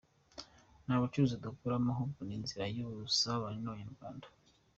Nta bucuruzi dukuramo ahubwo ni inzira y’ubusabane n’Abanyarwanda.